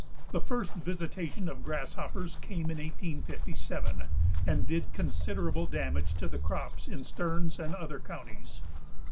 The first visitation of grasshoppers came in 1857, and did considerable damage to the crops in Stearns and other counties.